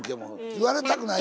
「言われたくない」